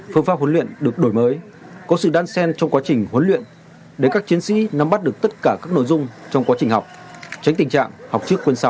phương pháp huấn luyện được đổi mới có sự đan sen trong quá trình huấn luyện để các chiến sĩ nắm bắt được tất cả các nội dung trong quá trình học